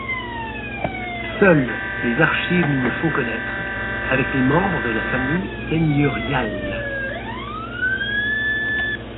Seules les archives nous le font connaître avec les membres de la famille seigneuriale.